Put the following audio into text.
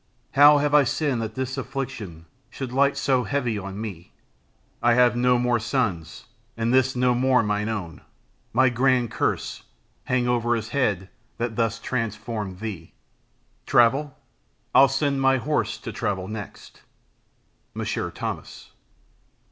How have I sinn'd, that this affliction Should light so heavy on me? I have no more sons, And this no more mine own. My grand curse Hang o'er his head that thus transformed thee! Travel? I'll send my horse to travel next. Monsieur Thomas.